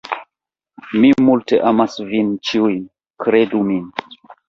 Mi multe amas vin ĉiujn; kredu min.